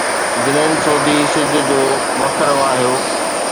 جــنـِـين ســودي ســچ، جو وکــر وهايو